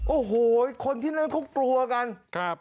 โอ้โหคนที่นั่นเขากลัวกันครับ